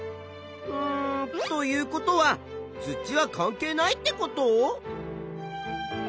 うんということは土は関係ないってこと？